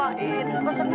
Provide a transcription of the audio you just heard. udah ngebawain pesenannya